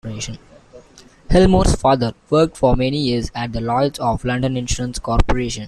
Helmore's father worked for many years at the Lloyd's of London insurance corporation.